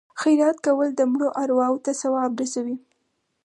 خیرات کول د مړو ارواو ته ثواب رسوي.